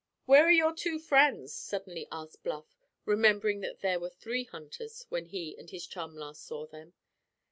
"Where are your two friends?" suddenly asked Bluff, remembering that there were three hunters when he and his chum last saw them.